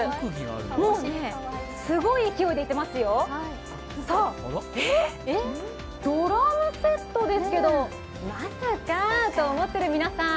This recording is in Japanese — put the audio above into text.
もうね、すごい勢いで行ってますよドラムセットですけどまさかと思ってる皆さん